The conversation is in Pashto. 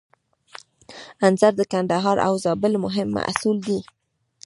انځر د کندهار او زابل مهم محصول دی.